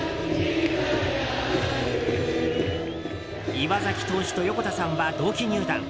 岩崎投手と横田さんは同期入団。